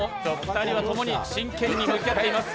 ２人は共に真剣に向き合っています